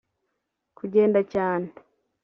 kugenda cyane